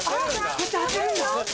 こうやって当てるんだ。